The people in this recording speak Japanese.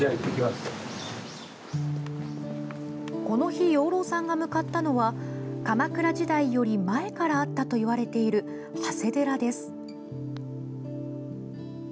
この日養老さんが向かったのは鎌倉時代より前からあったといわれている長谷寺です。